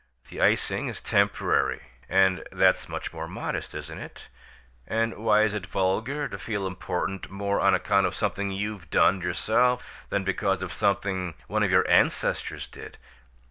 The icing is temporary, and that's much more modest, isn't it? And why is it vulgar to feel important more on account of something you've done yourself than because of something one of your ancestors did?